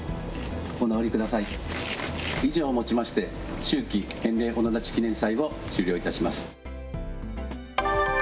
以上をもちまして秋季塩嶺御野立記念祭を終了いたします。